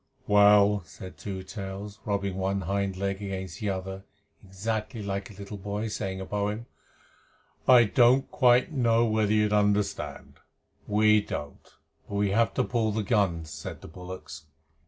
"Well," said Two Tails, rubbing one hind leg against the other, exactly like a little boy saying a poem, "I don't quite know whether you'd understand." "We don't, but we have to pull the guns," said the bullocks.